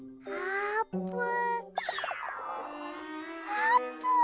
あーぷん！